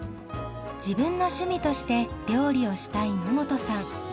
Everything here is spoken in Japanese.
自分の趣味として料理をしたい野本さん。